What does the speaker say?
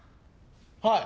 はい。